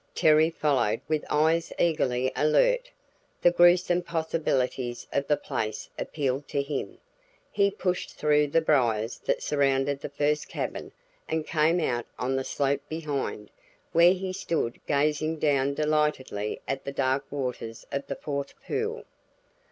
Terry followed with eyes eagerly alert; the gruesome possibilities of the place appealed to him. He pushed through the briars that surrounded the first cabin and came out on the slope behind, where he stood gazing down delightedly at the dark waters of the fourth pool.